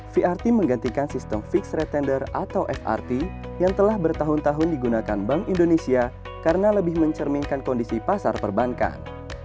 vrt menggantikan sistem fixed retender atau frt yang telah bertahun tahun digunakan bank indonesia karena lebih mencerminkan kondisi pasar perbankan